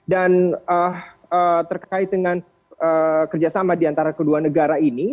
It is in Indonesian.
dan terkait dengan kerjasama di antara kedua negara ini